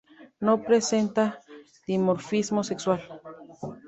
No presenta dimorfismo sexual.